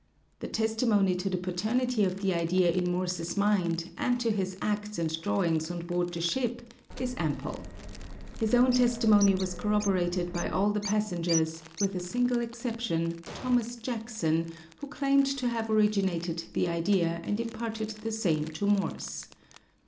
The testimony to the paternity of the idea in Morse's mind, and to his acts and drawings on board the ship is ample. His own testimony was corroborated by all the passengers with a single exception, Thomas Jackson, who claimed to have originated the idea and imparted the same to Morse.